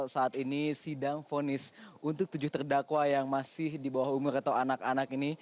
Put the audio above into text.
saat ini sidang fonis untuk tujuh terdakwa yang masih di bawah umur atau anak anak ini